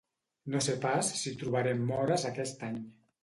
No sé pas si trobarem mores aquest any